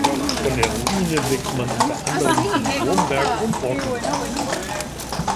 Von der Ruine blickt man unter anderem zum Wurmberg und Brocken.